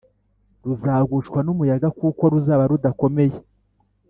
ruzagushwa n’umuyaga kuko ruzaba rudakomeye,